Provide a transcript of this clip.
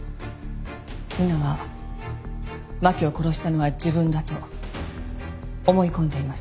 理奈は真輝を殺したのは自分だと思い込んでいます。